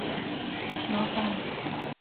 经北京市人民检察院交办